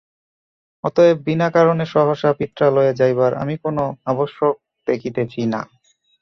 অতএব বিনা কারণে সহসা পিত্রালয়ে যাইবার আমি কোনো আবশ্যক দেখিতেছি না।